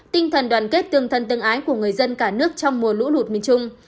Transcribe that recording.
tinh thần đoàn kết tương thân tương ái của người dân cả nước trong mùa lũ lụt miền trung